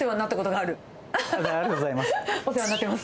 ありがとうございます。